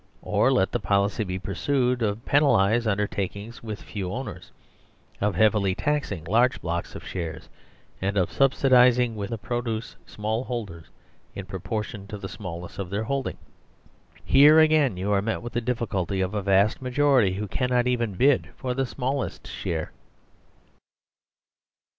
Or, let the policy be pursued of IIO EASIEST SOLUTION penalising undertakings with few owners, of heavily taxing large blocks of shares and of subsidising with the produce small holders in proportion to the small ness of their holding. Here again you are met with the difficulty of a vast majority who cannot even bid for the smallest share.